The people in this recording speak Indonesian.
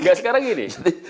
nggak sekarang gini